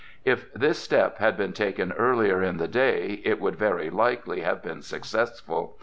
If this step had been taken earlier in the day, it would very likely have been successful.